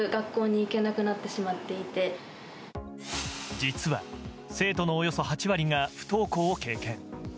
実は生徒のおよそ８割が不登校を経験。